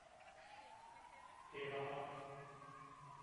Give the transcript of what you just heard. Pêrar